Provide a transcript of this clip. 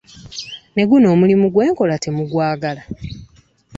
Ne guno omulimu gwe nkola temugwagala.